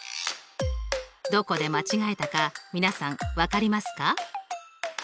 どこで間違えたか皆さん分かりますか？